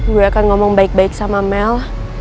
gue akan ngomong baik baik sama mel